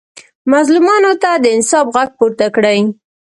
مظلومانو ته د انصاف غږ پورته کړئ.